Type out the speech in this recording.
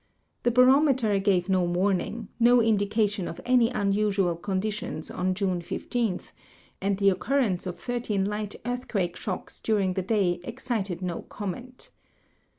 The barometer gave no warning, no indication of any unusual conditions on June 15, and the occurrence of thirteen light earthquake shocks during the day excited no com ment.